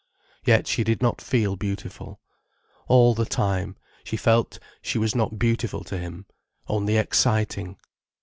Yet she did not feel beautiful. All the time, she felt she was not beautiful to him, only exciting.